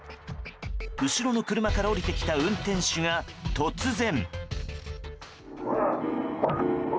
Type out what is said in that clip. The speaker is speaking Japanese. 後ろの車から降りてきた運転手が突然。